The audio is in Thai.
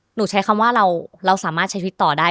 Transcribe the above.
ใช้คำว่าเราสามารถใช้ชีวิตต่อได้